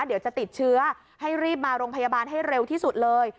เดี๋ยวจะติดเชื้อให้รีบมาโรงพยาบาลให้เร็วที่สุดเลย